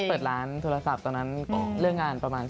เปิดร้านโทรศัพท์ตอนนั้นเรื่องงานประมาณ